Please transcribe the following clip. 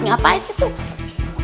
ngapain itu tuh